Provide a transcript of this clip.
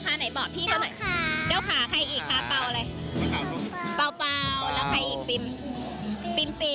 คุณไปโรงเรียนชอบไหมค่ะ